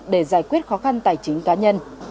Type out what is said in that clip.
để giải quyết khó khăn tài chính cá nhân